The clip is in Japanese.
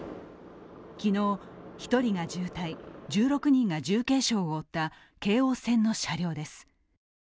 昨日、１人が重体、１６人が重軽傷を負った京王線の車両です。